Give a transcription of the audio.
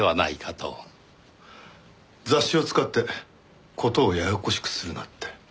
雑誌を使って事をややこしくするなって。